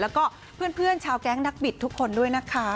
แล้วก็เพื่อนชาวแก๊งนักบิดทุกคนด้วยนะคะ